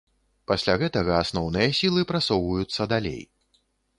Пасля гэтага асноўныя сілы прасоўваюцца далей.